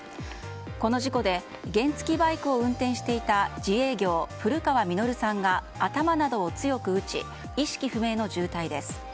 この事故で原付きバイクを運転していた自営業古川実さんが頭などを強く打ち意識不明の重体です。